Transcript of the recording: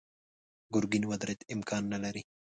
ګرګين ودرېد: امکان نه لري.